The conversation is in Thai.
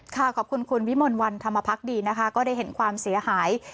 ขอบคุณคุณวิมลวันธรรมพักดีนะคะก็ได้เห็นความเสียหาย